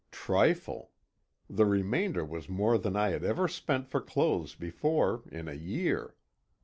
Trifle!! The remainder was more than I had ever spent for clothes before in a year.